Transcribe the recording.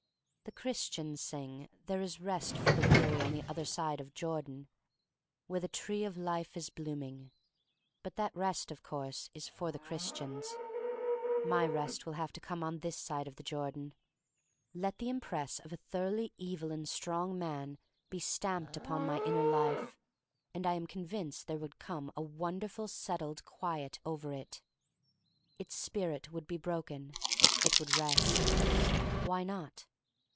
The Christians sing, there is rest for the weary, on the other side of Jordan, where the tree of life is blooming. But that rest, of course, is for the Chris THE STORY OF MARY MAC LANE 27 1 tians. My rest will have to come on this side of Jordan. Let the impress of a thoroughly evil and strong man be stamped upon my inner life, and I am convinced there would come a wonder ful settled quiet over it. Its spirit would be broken. It would rest. Why not?